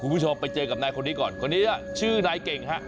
คุณผู้ชมไปเจอกับนายคนนี้ก่อนคนนี้ชื่อนายเก่งฮะ